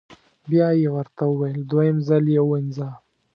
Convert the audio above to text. بیا یې ورته وویل: دویم ځل یې ووینځه.